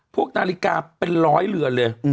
พวกนาฬิกาเป็นร้อยเรือนเลย